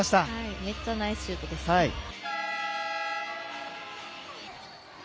めっちゃナイスシュートです。